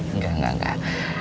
enggak enggak enggak